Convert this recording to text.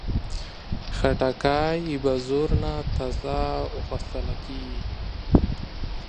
خټکی له بازار نه تازه اخیستل کېږي.